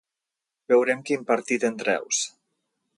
Veurem quin partit en treus.